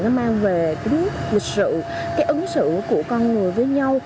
nó mang về tính lịch sự cái ứng xử của con người với nhau